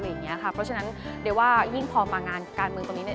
เพราะฉะนั้นเดี๋ยวว่ายิ่งพอมางานการเมืองตรงนี้เนี่ย